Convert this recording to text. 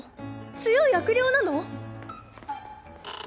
強い悪霊なの？